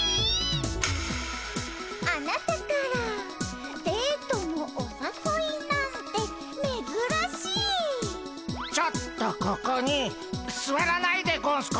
「あなたからデートのおさそいなんてめずらしい」「ちょっとここにすわらないでゴンスか」